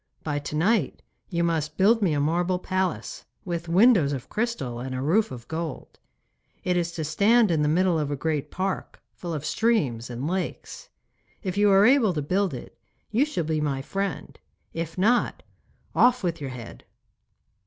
By to night you must build me a marble palace, with windows of crystal and a roof of gold. It is to stand in the middle of a great park, full of streams and lakes. If you are able to build it you shall be my friend. If not, off with your head.